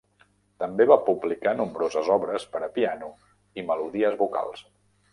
També va publicar nombroses obres per a piano i melodies vocals.